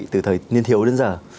từ thời niên thiếu đến giờ